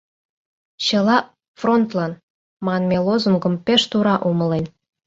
«Чыла – фронтлан!» манме лозунгым пеш тура умылен.